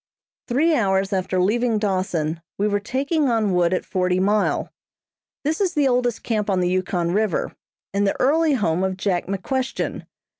Three hours after leaving Dawson we were taking on wood at Forty Mile. This is the oldest camp on the Yukon River, and the early home of Jack McQuestion.